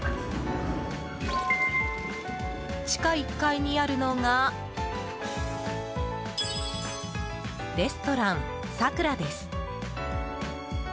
地下１階にあるのがレストランさくらです。